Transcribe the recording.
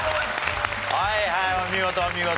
はいはいお見事お見事。